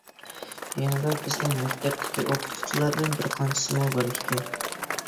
يېنىدا بىزنىڭ مەكتەپتىكى ئوقۇتقۇچىلاردىن بىر قانچىسىمۇ بار ئىكەن.